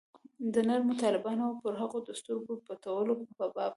د نرمو طالبانو او پر هغوی د سترګې پټولو په باب.